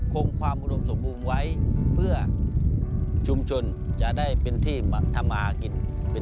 คงความอุดมสมบูรณ์ไว้เพื่อชุมชนจะได้เป็นที่ทำมากินเป็น